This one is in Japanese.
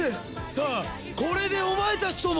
さあこれでお前たちとも。